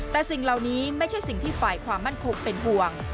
แต่สิ่งเหล่านี้ไม่ใช่สิ่งที่ฝ่ายความมั่นคงเป็นห่วง